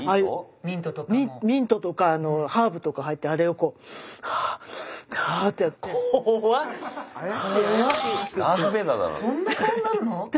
ミントとかハーブとか入ったあれをこう怖っ！そんな顔になるの？